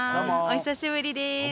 お久しぶりでーす